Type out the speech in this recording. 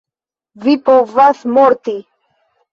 Vi povas morti.